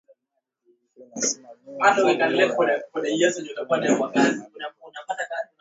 inasimamia sheria ya mifumo ya malipo ya taifa